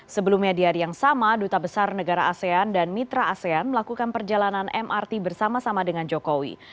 sebelumnya di hari yang sama duta besar negara asean dan mitra asean melakukan perjalanan mrt bersama sama dengan jokowi